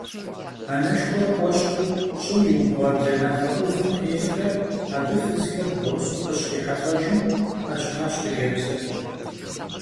Анэшхуэр Ӏуэщхъуу щӀым иубгъуа бланэфэ Ӏувым телърэ, абы фызхэр бгъурысу къыщрихьэлӀэжым, къэщтащ хъыджэбзыр.